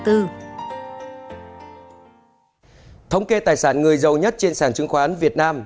thống kê tài sản người giàu nhất trên sản chứng khoán việt nam